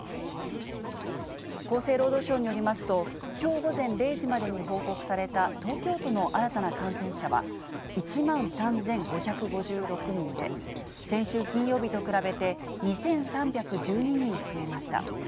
厚生労働省によりますと、きょう午前０時までに報告された東京都の新たな感染者は、１万３５５６人で、先週金曜日と比べて２３１２人増えました。